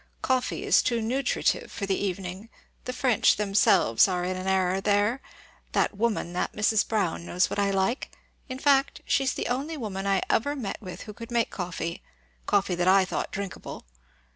Coffee is too nutritive for the evening. The French themselves are in an error there. That woman, that Mrs. Brown knows what I like; in fact, she's the only woman I ever met with who could make coffee coffee that I thought drinkable.